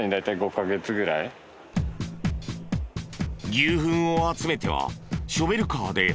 牛ふんを集めてはショベルカーで運ぶ。